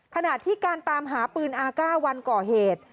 ขณะที่การตามหาปืนอาก้าวันก่อเหตุ